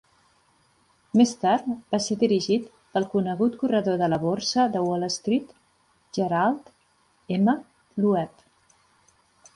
Més tard, va ser dirigit pel conegut corredor de la borsa de Wall Street, Gerald M. Loeb.